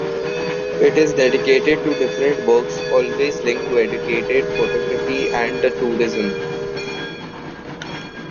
It is dedicated to different works, always linked to educated, photography and the tourism.